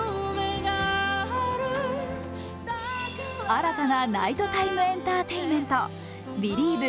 新たなナイトタイムエンターテインメント、「ビリーヴ！